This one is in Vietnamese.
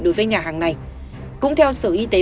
đối với nhà hàng này cũng theo sở y tế